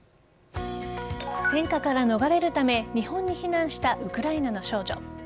戦火から逃れるため日本に避難したウクライナの少女。